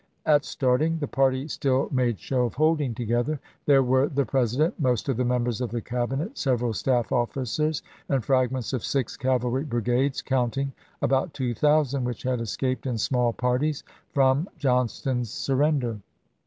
At starting, the party still made show of holding together. There were the President, most of the members of the Cabinet, several staff officers, and fragments of six cavalry brigades, counting about two thousand, which had escaped in small parties from Johnston's surrender.